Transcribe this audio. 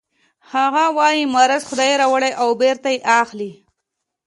هغه وايي مرض خدای راوړي او بېرته یې اخلي